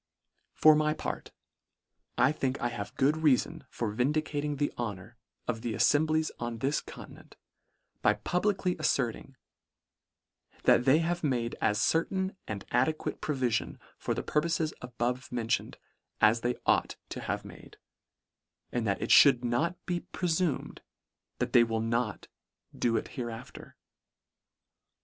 For my part, I think I have good reafon for vindicating the honour of the af femblies on this continent, by publicly affert ing, that they have made as " certain and "adequate provifion" for the purpofes a bove mentioned, as they ought to have made ; and that it fhould not be prefumed, that they will not do it hereafter.